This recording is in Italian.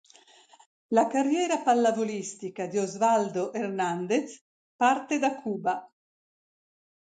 La carriera pallavolistica di Osvaldo Hernández parte da Cuba.